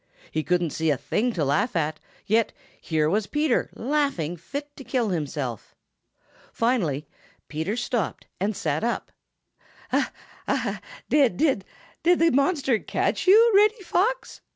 He couldn't see a thing to laugh at, yet here was Peter laughing fit to kill himself. Finally Peter stopped and sat up. "Did did the monster catch you, Reddy Fox?"